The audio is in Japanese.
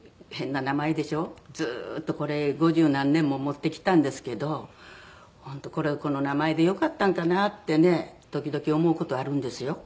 ずっとこれ五十何年も持ってきたんですけど本当この名前でよかったんかなってね時々思う事あるんですよ。